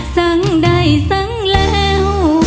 สังใดสังแล้ว